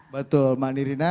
betul mbak nirina